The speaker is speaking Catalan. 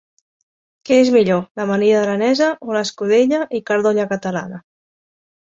Què és millor, l'amanida aranesa o l'escudella i carn d'olla catalana?